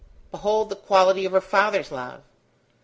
Behold the quality of her father's love!